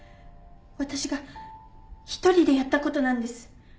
私が１人でやったことなんです。